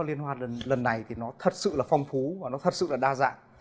các nước việt nam liên hoan lần này thì nó thật sự là phong phú và nó thật sự là đa dạng